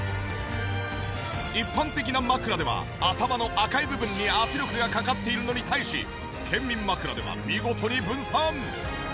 一般的な枕では頭の赤い部分に圧力がかかっているのに対し健眠枕では見事に分散。